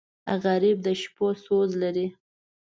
غریب د شپو سوز لري